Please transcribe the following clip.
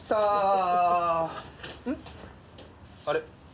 あれ？